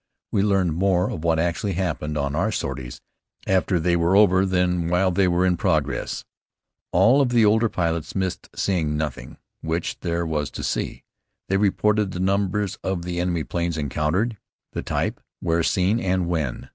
We learned more of what actually happened on our sorties, after they were over than while they were in progress. All of the older pilots missed seeing nothing which there was to see. They reported the numbers of the enemy planes encountered, the types, where seen and when.